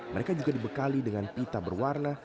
mereka juga dibekali dengan pita berwarna